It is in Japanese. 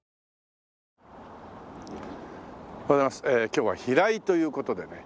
今日は平井という事でね。